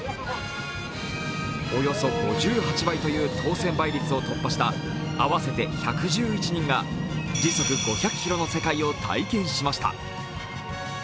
およそ５８倍という当選倍率を突破した合わせて１１１人が時速５００キロの世界を体験しました。